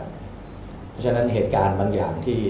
เพราะฉะนั้นเหตุการณ์บางอย่างที่